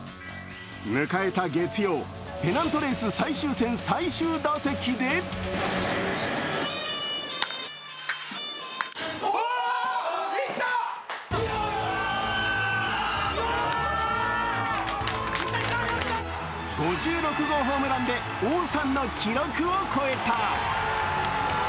迎えた月曜、ペナントレース最終戦最終打席で５６号ホームランで王さんの記録を超えた。